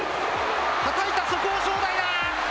はたいた、そこを正代だ。